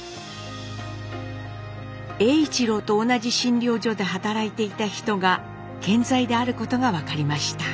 栄一郎と同じ診療所で働いていた人が健在であることが分かりました。